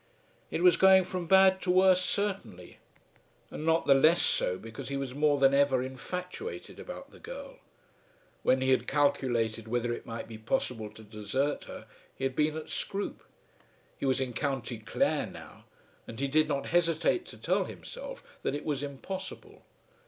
It was going from bad to worse certainly; and not the less so because he was more than ever infatuated about the girl. When he had calculated whether it might be possible to desert her he had been at Scroope. He was in County Clare now, and he did not hesitate to tell himself that it was impossible.